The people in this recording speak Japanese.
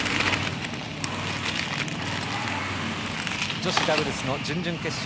女子ダブルスの準々決勝